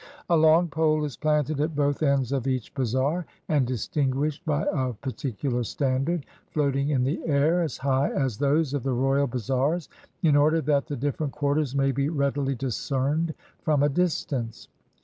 A long pole is planted at both 135 IXDL\ ends of each bazaar, and distinguished by a particular standard, floating in the air, as high as those of the royal bazaars, in order that the different quarters may be readily discerned from a distance.